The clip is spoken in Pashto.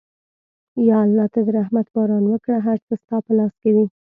یا الله ته د رحمت باران وکړه، هر څه ستا په لاس کې دي.